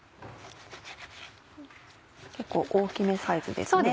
結構大きめサイズですね。